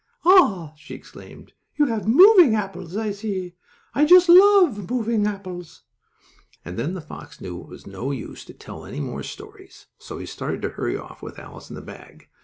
"Ah!" she exclaimed, "you have moving apples, I see. I just love moving apples." Then the fox knew it was of no use to tell any more stories, so he started to hurry off with Alice in the bag.